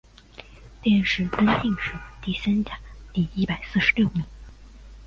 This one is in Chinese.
殿试登进士第三甲第一百四十六名。